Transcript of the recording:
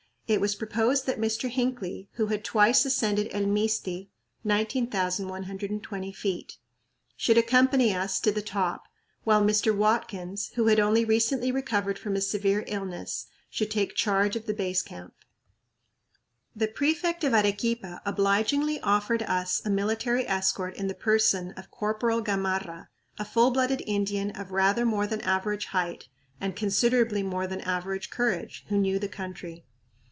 It was proposed that Mr. Hinckley, who had twice ascended El Misti (19,120 ft.), should accompany us to the top, while Mr. Watkins, who had only recently recovered from a severe illness, should take charge of the Base Camp. The prefect of Arequipa obligingly offered us a military escort in the person of Corporal Gamarra, a full blooded Indian of rather more than average height and considerably more than average courage, who knew the country.